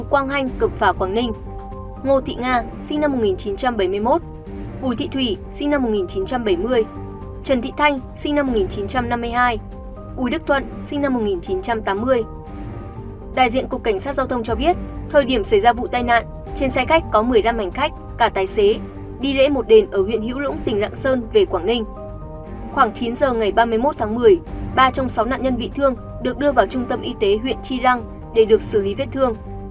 khoảng chín giờ ngày ba mươi một tháng một mươi ba trong sáu nạn nhân bị thương được đưa vào trung tâm y tế huyện chi lăng để được xử lý vết thương